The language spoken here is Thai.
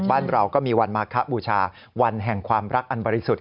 บ้านเราก็มีวันมาคบูชาวันแห่งความรักอันบริสุทธิ์